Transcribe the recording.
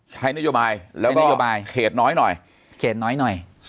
ใช้นโยบายควบคุณบุญและเขตน้อยน้อย